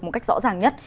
một cách rõ ràng nhất